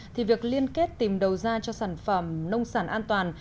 thì việc liên kết tìm đầu ra cho sản phẩm nông sản an toàn